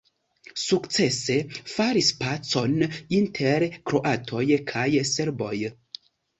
Li sukcese faris pacon inter kroatoj kaj serboj.